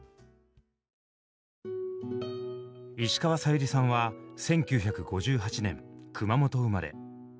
石川さゆりさんは１９５８年熊本生まれ。